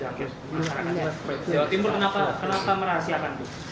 jawa timur kenapa merahasiakan